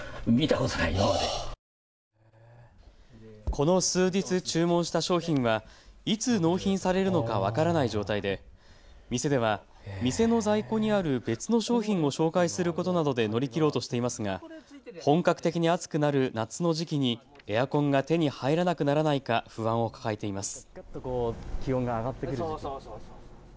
この数日注文した商品はいつ納品されるのか分からない状態で店では店の在庫にある別の商品を紹介することなどで乗り切ろうとしていますが本格的に暑くなる夏の時期にエアコンが手に入らなくならないか不安を抱えています。